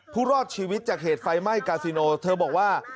รอดชีวิตจากเหตุไฟไหม้กาซิโนเธอบอกว่า